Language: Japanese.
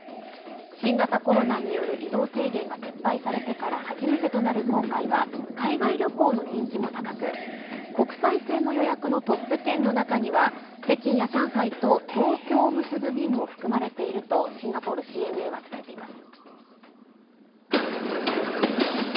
新型コロナによる移動制限が撤廃されてから初めてとなる今回は海外旅行の人気も高く国際線の予約のトップ１０の中には北京や上海と東京を結ぶ便も含まれているとシンガポールＣＮＡは伝えています。